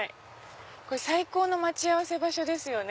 最高の待ち合わせ場所ですよね。